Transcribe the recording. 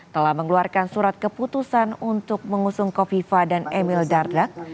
telah mengeluarkan surat keputusan untuk mengusung kofifa dan emil dardak